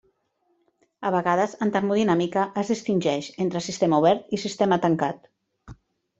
A vegades en termodinàmica es distingeix entre sistema obert i sistema tancat.